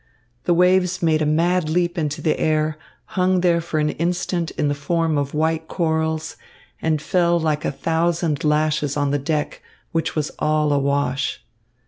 The waves made a mad leap into the air, hung there for an instant in the form of white corals, and fell like a thousand lashes on the deck, which was all awash.